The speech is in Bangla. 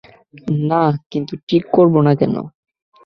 না, কিন্তু ঠিক করবো না কেন?